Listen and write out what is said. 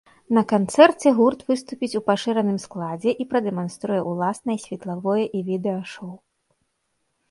На канцэрце гурт выступіць у пашыраным складзе і прадэманструе ўласнае светлавое і відэашоў.